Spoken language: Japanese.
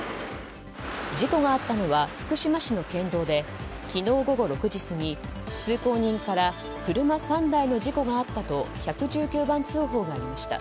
事故があったのは福島市の県道で昨日午後６時過ぎ、通行人から車３台の事故があったと１１９番通報がありました。